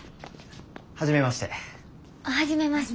初めまして。